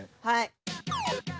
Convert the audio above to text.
はい。